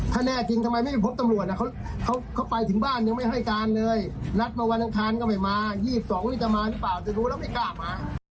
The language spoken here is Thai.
ถ้าแน่จริงทำไมไม่พบตำรวจเขาไปถึงบ้านยังไม่ให้การเลยนัดมาวันอังคารก็ไม่มา๒๒นี่จะมาหรือเปล่าแต่ดูแล้วไม่กล้ามา